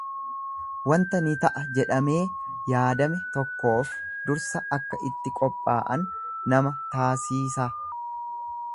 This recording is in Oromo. Wanta ni ta'a jedhamee yaadame tokkoof dursa akka itti qophaa'an nama taasiisa.